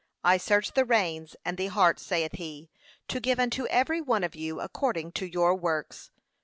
I search the reins and the heart, saith he, 'to give unto every one of you according to your works.'